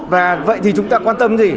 và vậy thì chúng ta quan tâm gì